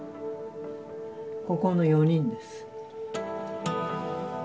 ここの４人です。